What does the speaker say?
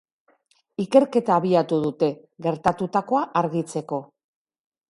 Ikerketa abiatu dute, gertatutakoa argitzeko.